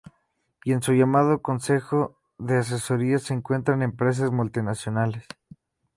Y en su llamado Concejo de Asesoría se encuentran empresas multinacionales.